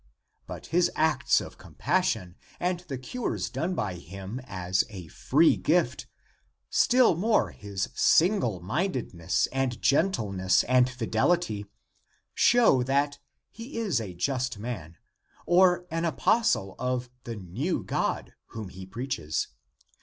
But his acts of com passion and the cures done by him as a free gift, still more his single mindedness, and gentleness, and fidelity, show that he is a just man, or an apostle of the new God, whom he preaches.